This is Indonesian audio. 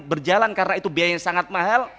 berjalan karena itu biaya yang sangat mahal